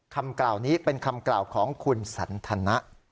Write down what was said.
คำกล่าวนี้เป็นคำกล่าวของคุณสันทนะ